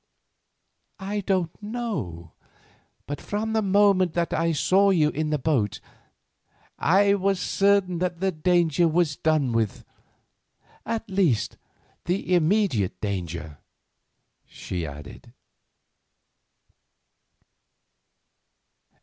"I don't know, but from the moment that I saw you in the boat I was certain that the danger was done with—at least, the immediate danger," she added.